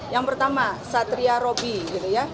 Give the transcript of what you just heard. yang pertama satria robi